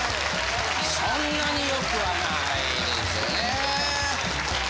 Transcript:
そんなによくはないですね。